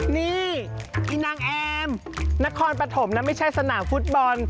นี่อีนางแอมนครปฐมนะไม่ใช่สนามฟุตบอล